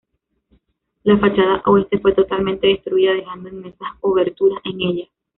La fachada oeste fue totalmente destruida, dejando inmensas oberturas en ella.